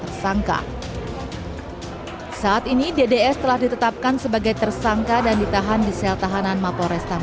tersangka saat ini dds telah ditetapkan sebagai tersangka dan ditahan di sel tahanan maporesta